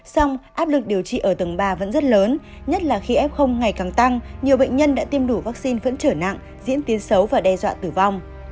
song áp lực điều trị ở tầng ba vẫn rất lớn nhất là khi f ngày càng tăng nhiều bệnh nhân đã tiêm đủ vaccine vẫn trở nặng diễn tiến xấu và đe dọa tử vong